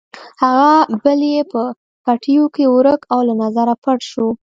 هغه بل یې په پټیو کې ورک او له نظره پټ شو.